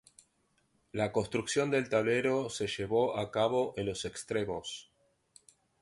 La construcción del tablero se llevó a cabo en los extremos.